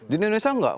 di indonesia enggak